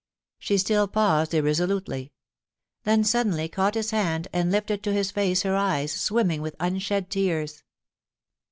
She still paused irresolutely; then suddenly caught his hand, and lifted to his face her eyes, swimming with unshed tears.